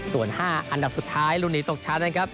ส่วน๕อันดับสุดท้ายลุ้นหนีตกชั้น